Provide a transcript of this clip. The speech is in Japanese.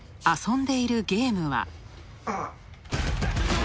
遊んでいるゲームは。